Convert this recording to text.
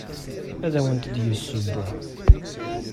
Ad awent-d-yesseww.